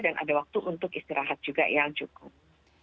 dan ada waktu untuk istirahat juga yang cukup